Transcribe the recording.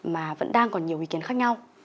mà vẫn đang còn nhiều ý kiến khác nhau